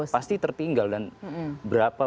pasti tertinggal dan berapa